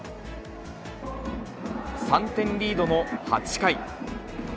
３点リードの８回。